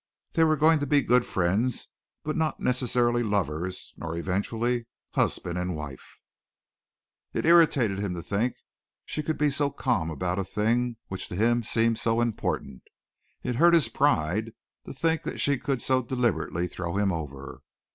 They were going to be good friends, but not necessarily lovers nor eventually husband and wife. It irritated him to think she could be so calm about a thing which to him seemed so important. It hurt his pride to think she could so deliberately throw him over.